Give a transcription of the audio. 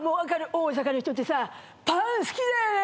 大阪の人ってさパン好きだよねぇ！